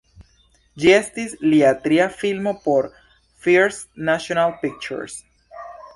Ĝi estis lia tria filmo por First National Pictures.